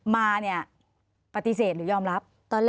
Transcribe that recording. มาเนี่ยปฏิเสธหรือยอมรับ